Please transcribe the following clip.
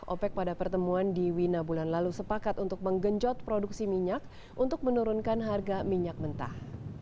opec pada pertemuan di wina bulan lalu sepakat untuk menggenjot produksi minyak untuk menurunkan harga minyak mentah